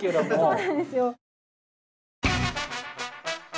そうなんですよ。